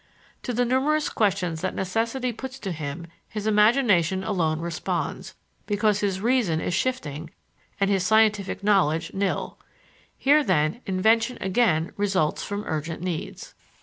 To the numerous questions that necessity puts to him his imagination alone responds, because his reason is shifting and his scientific knowledge nil. Here, then, invention again results from urgent needs.